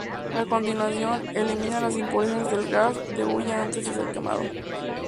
A continuación, elimina las impurezas del gas de hulla antes de ser quemado.